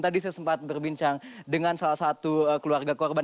tadi saya sempat berbincang dengan salah satu keluarga korban